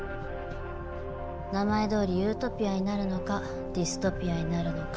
名前どおりユートピアになるのかディストピアになるのか。